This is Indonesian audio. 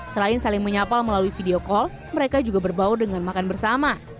selain saling menyapa melalui video call mereka juga berbau dengan makan bersama